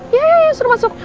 iya iya suruh masuk